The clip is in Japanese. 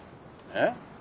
えっ？